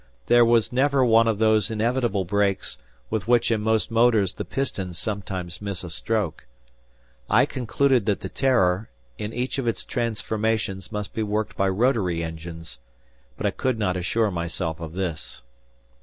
There was never one of those inevitable breaks, with which in most motors the pistons sometimes miss a stroke. I concluded that the "Terror," in each of its transformations must be worked by rotary engines. But I could not assure myself of this.